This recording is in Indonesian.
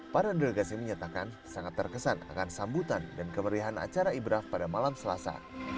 para delegasi menyatakan sangat terkesan akan sambutan dan kemerihan acara ibraf pada malam selasa